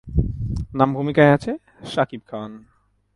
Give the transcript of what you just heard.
নাম ভুমিকায় আছে শাকিব খান।